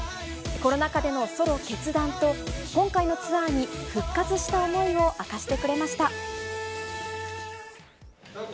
コロナ禍でのソロ決断と、今回のツアーに復活した思いを明かしてくれました。